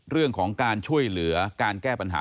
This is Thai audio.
เรื่องของการช่วยเหลือการแก้ปัญหา